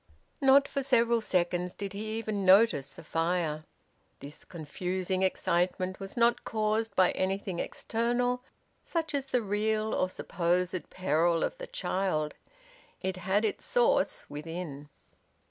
Not for several seconds did he even notice the fire. This confusing excitement was not caused by anything external such as the real or supposed peril of the child; it had its source within.